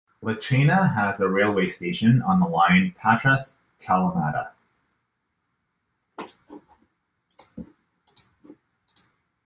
Lechaina has a railway station on the line Patras-Kalamata.